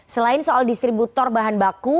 selain soal distributor bahan baku